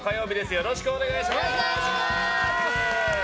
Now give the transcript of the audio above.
よろしくお願いします。